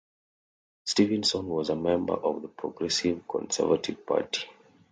Stevenson was a member of the Progressive Conservative Party.